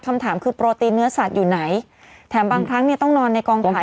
คำถามคือโปรตีนเนื้อสัตว์อยู่ไหนแถมบางครั้งเนี่ยต้องนอนในกองถ่าย